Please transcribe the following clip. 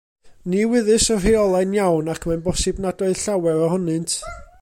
Ni wyddys y rheolau'n iawn ac mae'n bosibl nad oedd llawer ohonynt.